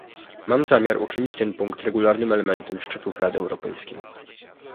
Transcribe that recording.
Mam zamiar uczynić ten punkt regularnym elementem szczytów Rady Europejskiej